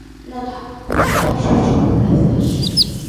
Nota: o escritor Xurxo Borrazás.